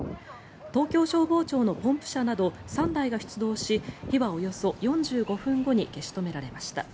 東京消防庁のポンプ車など３台が出動し火はおよそ４５分後に消し止められました。